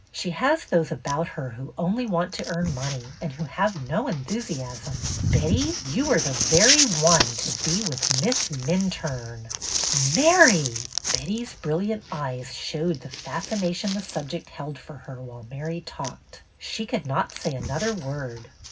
She has those about her who only want to earn money and who have no enthusiasm. Betty, you are the very one to be with Miss Minturne !" Mary!" Betty's brilliant eyes showed the fascination the subject held for her while Mary talked. She could not say another word.